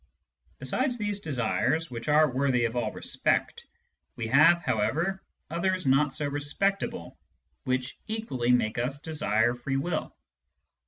Besides these desires, which are worthy of all respect, we have, however, others not so respectable, which equally make us desire free will.